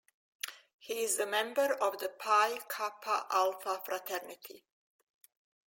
He is a member of the Pi Kappa Alpha fraternity.